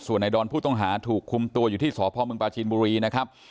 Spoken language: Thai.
ส่วนในดอนผู้ต้องหาถูกคุมตัวอยู่ที่สพมปลาชินบุรีนะครับ